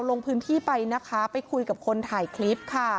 ลงพื้นที่ไปนะคะไปคุยกับคนถ่ายคลิปค่ะ